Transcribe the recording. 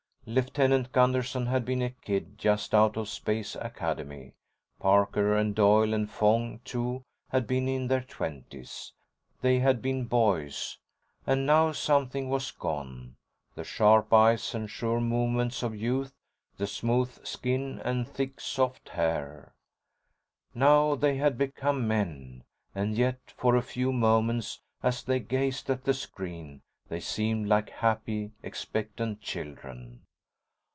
Lieutenant Gunderson had been a kid just out of Space Academy. Parker and Doyle and Fong, too, had been in their twenties. They had been boys. And now something was gone—the sharp eyes and sure movements of youth, the smooth skin and thick, soft hair. Now they had become men. And yet for a few moments, as they gazed at the screen, they seemed like happy, expectant children.